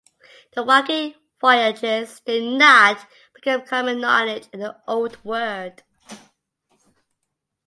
The Viking voyages did not become common knowledge in the Old World.